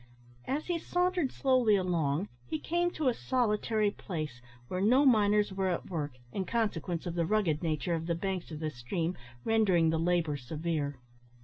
As he sauntered slowly along, he came to a solitary place where no miners were at work, in consequence of the rugged nature of the banks of the stream rendering the labour severe.